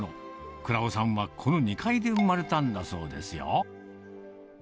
倉生さんはこの２階で生まれたそうですよ。